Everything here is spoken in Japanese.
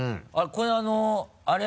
これであのあれ？